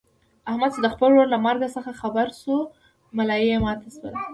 احمد چې د خپل ورور له مرګ څخه خبر شولو ملایې ماته شوله.